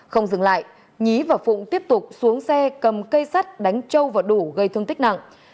không dừng lại nhí và phụng tiếp tục xuống xe cầm cây sắt đánh châu và đủ gây thương tích nặng